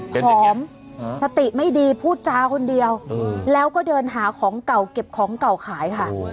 ผอมสติไม่ดีพูดจาคนเดียวแล้วก็เดินหาของเก่าเก็บของเก่าขายค่ะ